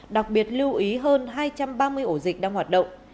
đặc biệt lưu ý hơn hai trăm ba mươi ổ dịch đang hoạt động